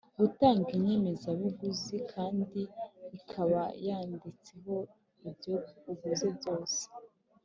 gutanga inyemezabuguzi kandi ikabayanditseho ibyo uguze byose.